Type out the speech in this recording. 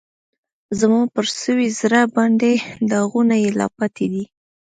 زما پر سوي زړه باندې داغونه یې لا پاتی دي